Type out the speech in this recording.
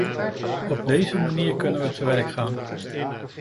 Op deze manier kunnen we te werk gaan.